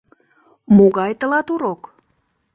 — Могай тылат урок?!